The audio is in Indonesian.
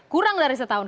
kurang dari setahun